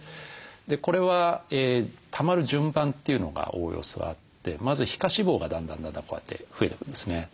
これはたまる順番というのがおおよそあってまず皮下脂肪がだんだんだんだんこうやって増えていくんですね。